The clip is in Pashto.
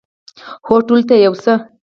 هو، ټولو ته یو څه